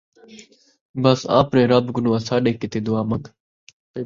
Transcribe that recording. ٻس آپڑیں رَبّ کنوں اَساݙے کِیتے دُعا منگ،